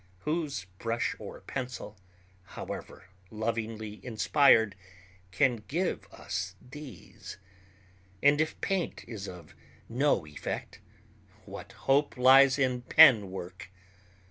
Whose brush or pencil, however lovingly inspired, can give us these? And if paint is of no effect, what hope lies in pen work?